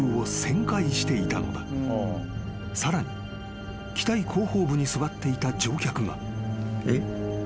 ［さらに機体後方部に座っていた乗客が］